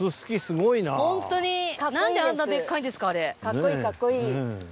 かっこいいかっこいい。